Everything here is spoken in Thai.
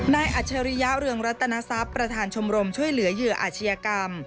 อัจฉริยะเรืองรัตนทรัพย์ประธานชมรมช่วยเหลือเหยื่ออาชญากรรม